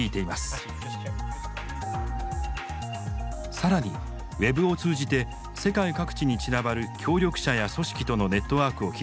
更にウェブを通じて世界各地に散らばる協力者や組織とのネットワークを築いています。